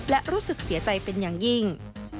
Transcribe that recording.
และรู้สึกเสียใจเป็นอย่างยิ่ง